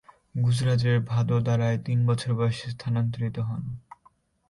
গুজরাটের ভাদোদারায় তিন বছর বয়সে স্থানান্তরিত হন।